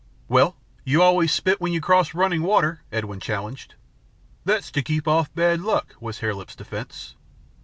"Well, you always spit when you cross running water," Edwin challenged. "That's to keep off bad luck," was Hare Lip's defence.